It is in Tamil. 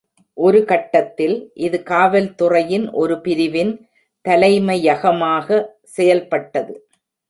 ஒரு கட்டத்தில், இது காவல்துறையின் ஒரு பிரிவின் தலைமையகமாக செயல்பட்டது.